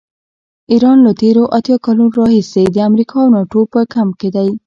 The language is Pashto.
ایران له تېرو اتیا کالو راهیسې د امریکا او ناټو په کمپ کې دی.